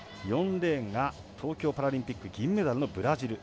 ４レーンが東京パラリンピック銀メダルのブラジル。